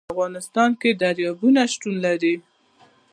په افغانستان کې دریابونه شتون لري.